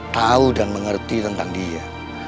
tahu dan mengerti tentang dia